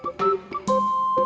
saya juga ngantuk